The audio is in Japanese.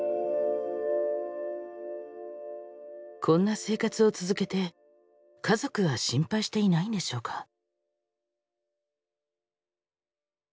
こんな生活を続けて家族は心配していないんでしょうか？